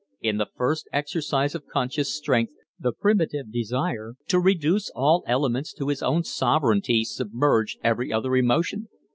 In the first exercise of conscious strength the primitive desire to reduce all elements to his own sovereignty submerged every other emotion.